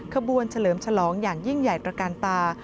ขบวนเฉลิมฉลองอย่างยิ่งใหญ่กว่าการตา